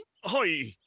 はい。